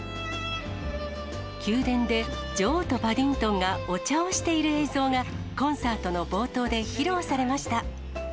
宮殿で女王とパディントンがお茶をしている映像が、コンサートの冒頭で披露されました。